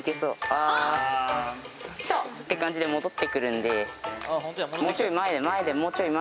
あきた！って感じで戻ってくるんで。